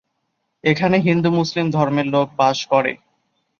এখানে হিন্দু মুসলিম ধর্মের লোক বাস করে।